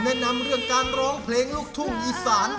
เพราะว่าเพลงลูกทุ่งอีสาน